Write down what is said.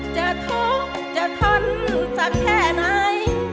จะทุกข์จะทนสักแค่ไหน